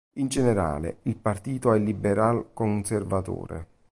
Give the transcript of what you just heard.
In generale, il partito è liberal-conservatore.